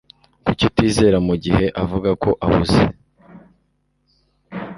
Kuki utizera mugihe avuga ko ahuze?